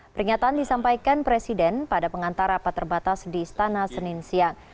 peringatan disampaikan presiden pada pengantar rapat terbatas di istana senin siang